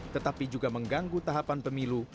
tetapi juga mengganggu tahapan pemilu